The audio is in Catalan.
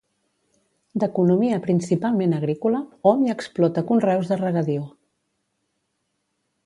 D'economia principalment agrícola, hom hi explota conreus de regadiu.